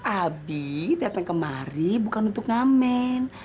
abi datang kemari bukan untuk ngamen